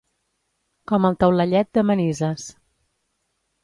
Com el taulellet de Manises.